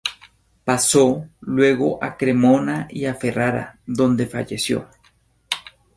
Pasó luego a Cremona y a Ferrara, donde falleció.